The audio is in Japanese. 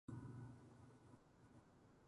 スマホを長時間みる